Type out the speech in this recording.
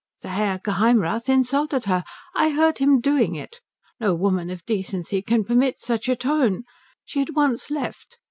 "The Herr Geheimrath insulted her. I heard him doing it. No woman of decency can permit such a tone. She at once left.